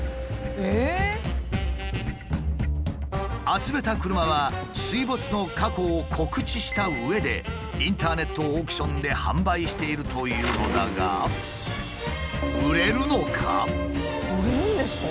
集めた車は水没の過去を告知したうえでインターネットオークションで販売しているというのだが売れるんですか？